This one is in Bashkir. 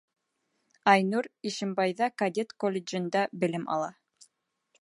Айнур Ишембайҙа кадет колледжында белем ала.